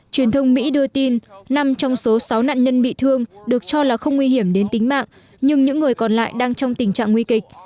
truyền thông mỹ đưa tin năm trong số sáu nạn nhân bị thương được cho là không nguy hiểm đến tính mạng nhưng những người còn lại đang trong tình trạng nguy kịch